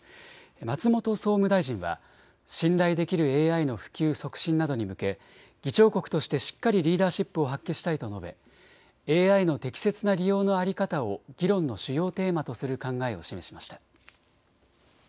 松本総務大臣は信頼できるＡＩの普及・促進などに向け議長国としてしっかりリーダーシップを発揮したいと述べＡＩの適切な利用の在り方を議論の主要テーマとする考えを示しました。